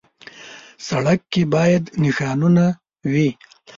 سړک کې باید نښانونه وي.